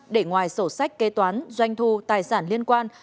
để ngoài sổ sách kế toán doanh thu tài sản liên quan